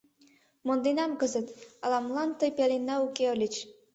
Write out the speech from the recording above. Монденам кызыт, ала-молан тый пеленна уке ыльыч.